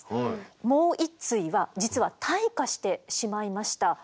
もう一対は実は退化してしまいました。